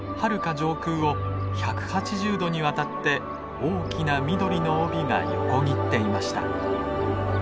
上空を１８０度にわたって大きな緑の帯が横切っていました。